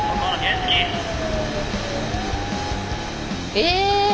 え！